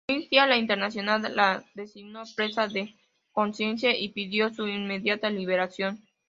Amnistía Internacional la designó presa de conciencia y pidió su inmediata liberación.